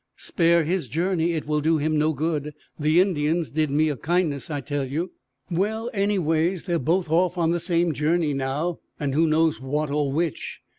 "Spare his journey! It will do him no good. The Indian did me a kindness, I tell you!" "Well, anyways, they're both off on the same journey now, and who knows what or which?